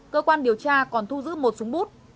cơ quan điều tra còn thu giữ một súng bút